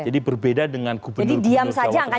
jadi berbeda dengan gubernur gubernur jawa